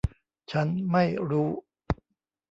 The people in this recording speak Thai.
ฉันไม่รู้.